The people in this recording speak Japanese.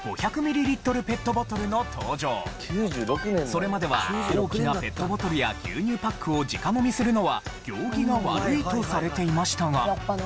それまでは大きなペットボトルや牛乳パックを直飲みするのは行儀が悪いとされていましたが。